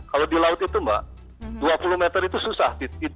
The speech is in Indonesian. kalau di laut itu mbak dua puluh meter itu susah